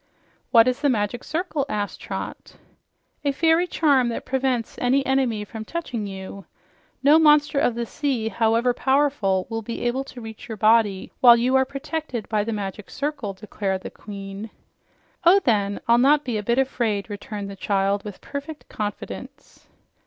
"What is the Magic Circle?" asked Trot. "A fairy charm that prevents any enemy from touching you. No monster of the sea, however powerful, will be able to reach your body while you are protected by the Magic Circle," declared the Queen. "Oh, then I'll not be a bit afraid," returned the child with perfect confidence.